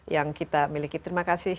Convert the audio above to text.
yang kita miliki terima kasih